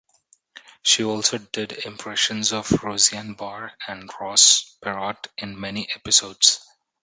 She also did impressions of Roseanne Barr and Ross Perot in many episodes.